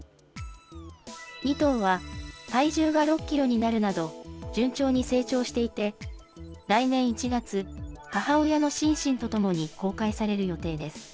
２頭は、体重が６キロになるなど順調に成長していて、来年１月、母親のシンシンとともに公開される予定です。